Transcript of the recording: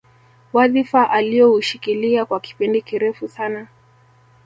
Wadhifa alioushikilia kwa kipindi kirefu sana